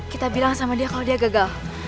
kita bilang sama dia kalau dia gagal